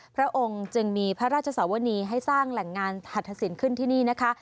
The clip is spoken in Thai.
พระองค์จึงมีพระราชสวนีให้สร้างแหล่งงานหัตถสินขึ้นที่นี่นะคะ